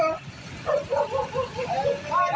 เอาละ